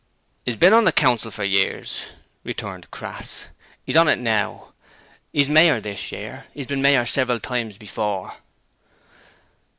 ''E's bin on the Council for years,' returned Crass. ''E's on it now. 'E's mayor this year. 'E's bin mayor several times before.'